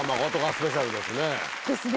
スペシャルですね。ですね。